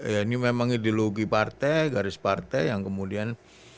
ya ini memang ideologi partai garis partai yang kemudian